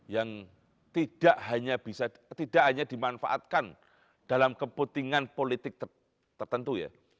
yang tidak hanya dimanfaatkan dalam kepentingan politik tertentu ya